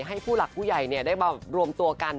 ให้ผู้หลักผู้ใหญ่ได้มารวมตัวกัน